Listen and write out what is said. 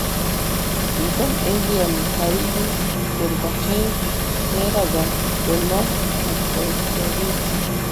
Ilikuwa ni enzi ya Mikhail Gorbachev sera za Glasnost na Perestroika